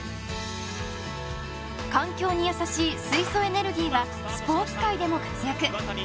環境に優しい水素エネルギーはスポーツ界でも活躍